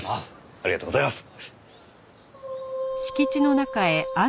ありがとうございます。